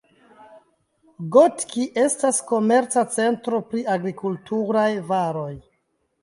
Gotki estas komerca centro pri agrikulturaj varoj.